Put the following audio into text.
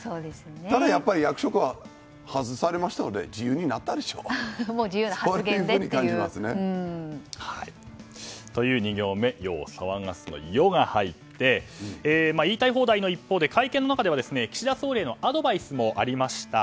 ただ、役職は外されたので自由になったんだろうなと感じますね。という２行目、世を騒がすの「ョ」が入って言いたい放題の一方で会見の中では、岸田総理へのアドバイスもありました。